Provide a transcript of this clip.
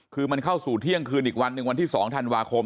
คือมันเข้าสู่เที่ยงคืนอีกวันหนึ่งวันที่๒ธันวาคม